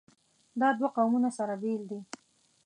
دا دوه قومونه سره بېل دي.